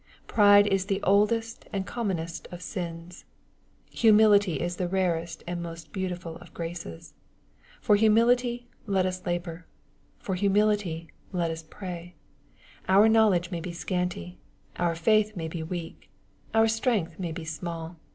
Pride is the oldest and commonest of sins. Humility is the rarest and most beautiful of graces. For humility let us labor. For humility let us pray. Our knowledge may be scanty. Our faith may be weak. Our strength may be small.